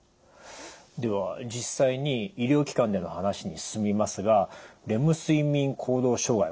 では実際に医療機関での話に進みますがレム睡眠行動障害